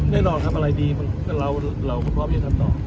แน่นอนครับอะไรดีเราพรบก็จะต้องทำต่อ